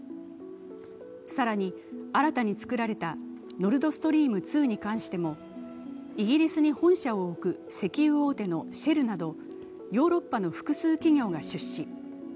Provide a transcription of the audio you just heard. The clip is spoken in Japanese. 更に、新たに作られたノルドストリーム２に関してもイギリスに本社を置く石油大手のシェルなどヨーロッパの複数企業が出資。